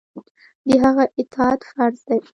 د هغه اطاعت فرض دی.